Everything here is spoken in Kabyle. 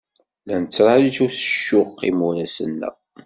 La nettṛaju s ccuq imuras-nneɣ.